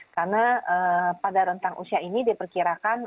karena pada rentang usia ini diperkirakan